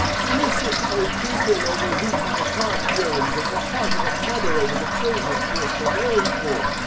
"Listen, O people, over whom my heart yearns, as the heart of a mother over the children she has travailed for!